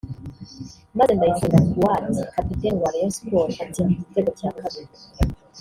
maze Ndayisenga Fuadi Kapiteni wa Rayon Sport atsinda igitego cya kabiri